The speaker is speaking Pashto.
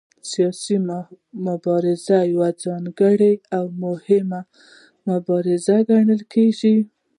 سیاسي مبارزه یوه ځانګړې او مهمه مبارزه ګڼل کېږي